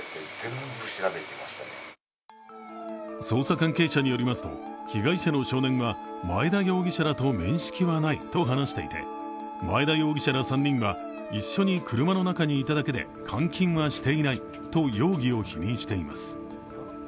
捜査関係者によりますと被害者の少年は前田容疑者らと面識はないと話していて前田容疑者ら３人は、一緒に車の中にいただけで監禁はしていないと容疑を否認しています。